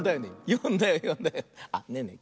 よんだよよんだよ。あっねえねえ